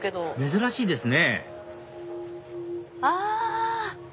珍しいですねあ！